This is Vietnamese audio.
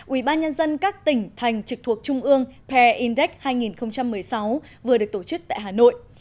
ubnd các tỉnh thành trực thuộc trung ương pe index hai nghìn một mươi sáu vừa được tổ chức tại hà nội